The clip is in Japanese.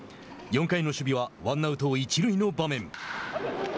４回の守備はワンアウト一塁の場面。